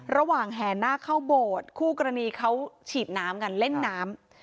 แห่หน้าเข้าโบสถ์คู่กรณีเขาฉีดน้ำกันเล่นน้ำ